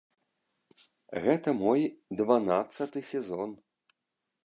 Гэта мой дванаццаты сезон.